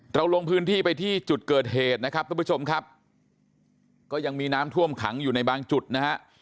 ลงพื้นที่ไปที่จุดเกิดเหตุนะครับทุกผู้ชมครับก็ยังมีน้ำท่วมขังอยู่ในบางจุดนะฮะ